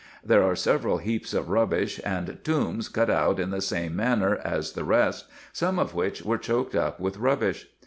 There are several heaps of rubbish, and tombs cut out in the same manner as the rest, some of which were choked up with rubbish.